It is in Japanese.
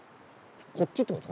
こっちってこと。